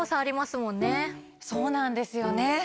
そうなんですよね。